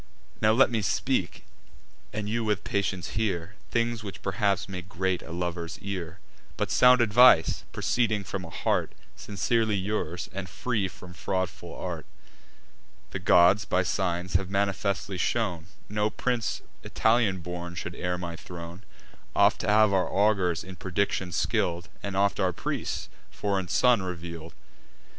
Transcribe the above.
Now let me speak, and you with patience hear, Things which perhaps may grate a lover's ear, But sound advice, proceeding from a heart Sincerely yours, and free from fraudful art. The gods, by signs, have manifestly shown, No prince Italian born should heir my throne: Oft have our augurs, in prediction skill'd, And oft our priests, a foreign son reveal'd.